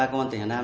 công an tỉnh hà nam